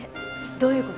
どういう事？